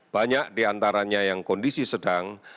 banyak diantaranya yang kondisi sedang